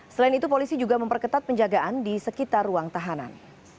selain itu polisi juga memperketat penjagaan di sekitar ruang tahanan